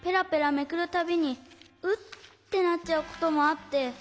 めくるたびにウッてなっちゃうこともあって。